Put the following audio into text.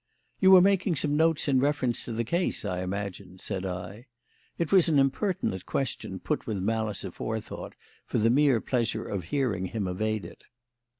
"You were making some notes in reference to the case, I imagine," said I. It was an impertinent question, put with malice aforethought for the mere pleasure of hearing him evade it.